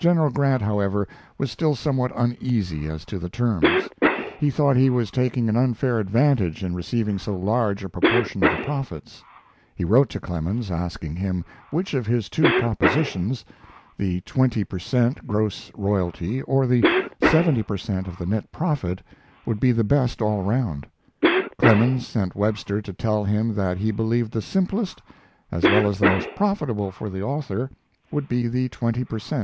General Grant, however, was still somewhat uneasy as to the terms. He thought he was taking an unfair advantage in receiving so large a proportion of the profits. He wrote to Clemens, asking him which of his two propositions the twenty per cent. gross royalty or the seventy per cent. of the net profit would be the best all around. Clemens sent Webster to tell him that he believed the simplest, as well as the most profitable for the author, would be the twenty per cent.